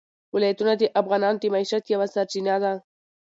ولایتونه د افغانانو د معیشت یوه سرچینه ده.